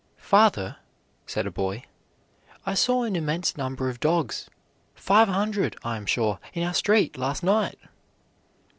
"Father," said a boy, "I saw an immense number of dogs five hundred, I am sure in our street, last night."